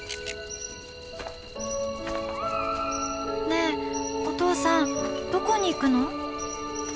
「ねえお父さんどこに行くの？」。